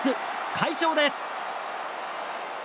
快勝です。